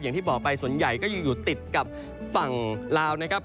อย่างที่บอกไปส่วนใหญ่ก็ยังอยู่ติดกับฝั่งลาวนะครับ